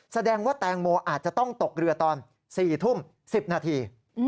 แสดงว่าแตงโมอาจจะต้องตกเรือตอน๔ทุ่ม๑๐นาที